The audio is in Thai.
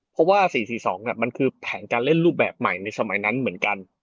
เพราะว่า๔๔๒มันคือแผนการเล่นรูปแบบใหม่ในสมัยนั้นเหมือนกัน